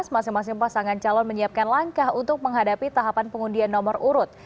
masing masing pasangan calon menyiapkan langkah untuk menghadapi tahapan pengundian nomor urut